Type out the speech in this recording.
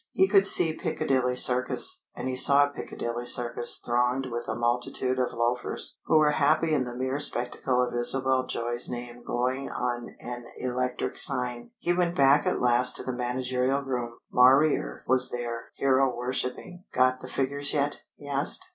He could see Piccadilly Circus, and he saw Piccadilly Circus thronged with a multitude of loafers, who were happy in the mere spectacle of Isabel Joy's name glowing on an electric sign. He went back at last to the managerial room. Marrier was there, hero worshipping. "Got the figures yet?" he asked.